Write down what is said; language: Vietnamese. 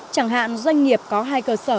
chẳng hạn doanh nghiệp có hai cơ sở